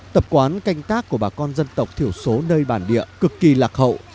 tập quán canh tác của bà con dân tộc thiểu số nơi bản địa cực kỳ lạc hậu